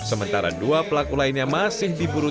sementara dua pelaku lainnya masih diburu